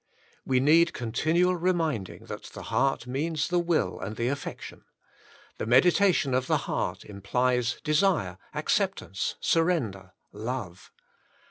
We need continual reminding that the heart means the will and the affection. The meditation of the heart implies desire, acceptance, surrender, love.